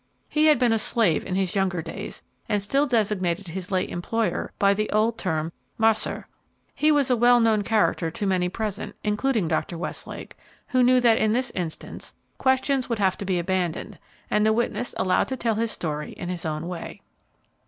He had been a slave in his younger days, and still designated his late employer by the old term "mars'r." He was a well known character to many present, including Dr. Westlake, who knew that in this instance questions would have to be abandoned and the witness allowed to tell his story in his own way.